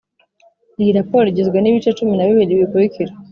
Iyi raporo igizwe n ibice cumi na bibiri bikurikira